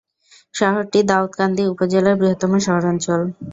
শহরটি দাউদকান্দি উপজেলার বৃহত্তম শহরাঞ্চল।